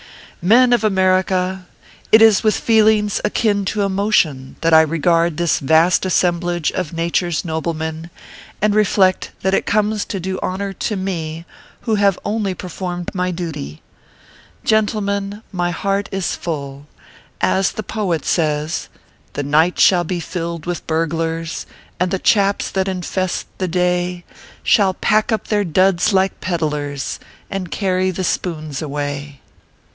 Men of America : It is with feelings akin to emo tion that I regard this vast assemblage of Nature s ORPHEUS C. KERR PAPERS. 101 noblemen, and reflect that it comes to do honor to me, who have only performed my duty. Gentlemen, my heart is full ; as the poet says :" The night shall be filled with burglars, And tho chaps that infest the day Shall pack up their duds like peddlers, And carry the spoons away."